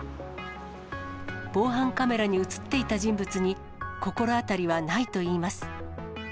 防犯カメラに写っていた人物に心当たりはないといいます。